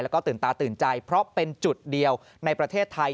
แล้วก็ตื่นตาตื่นใจเพราะเป็นจุดเดียวในประเทศไทย